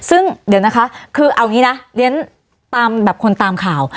ซึ่งเดี๋ยวนะคะคือเอางี้นะเรียนตามแบบคนตามข่าว